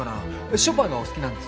ショパンがお好きなんです。